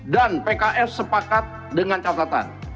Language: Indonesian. dan pks sepakat dengan catatan